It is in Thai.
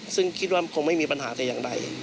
ซึ่งคิดว่าคงไม่มีปัญหาแต่อย่างใด